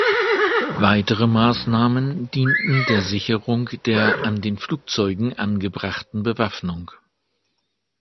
Weitere Maßnahmen dienten der Sicherung der an den Flugzeugen angebrachten Bewaffnung.